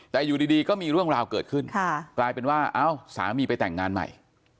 แต่อยู่ดีก็มีเรื่องราวเกิดขึ้นกลายเป็นว่าเอ้าสามีไปแต่งงานใหม่